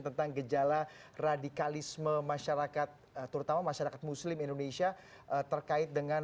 tentang gejala radikalisme masyarakat terutama masyarakat muslim indonesia terkait dengan